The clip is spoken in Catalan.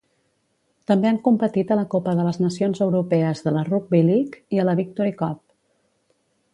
També han competit a la Copa de les Nacions Europees de la Rugby League i a la Victory Cup.